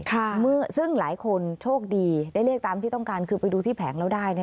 ซึ่งหลายคนโชคดีได้เลขตามที่ต้องการคือไปดูที่แผงแล้วได้